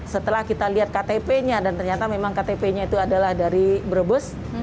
setelah kita lihat ktp nya dan ternyata memang ktp nya itu adalah dari brebes